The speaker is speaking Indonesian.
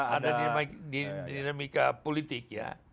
ada dinamika politik